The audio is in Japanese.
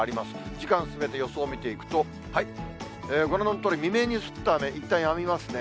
時間進めて、予想を見ていくと、ご覧のとおり、未明に降った雨、いったんやみますね。